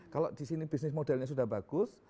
kalau di sini bisnis modelnya sudah bagus